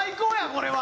これは。